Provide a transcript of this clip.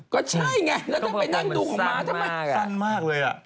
ก็ใช่ไงแล้วถ้าเป็นอังดุของม้าทำไมสั้นมากเลย